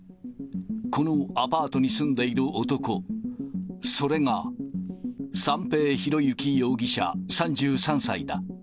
このアパートに住んでいる男、それが三瓶博幸容疑者３３歳だ。